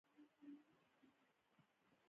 افغانستان د سیندونه له پلوه متنوع دی.